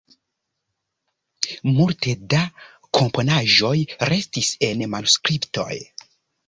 Multe da komponaĵoj restis en manuskriptoj.